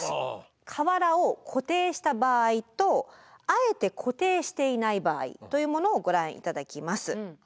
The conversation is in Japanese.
瓦を固定した場合とあえて固定していない場合というものをご覧いただきます。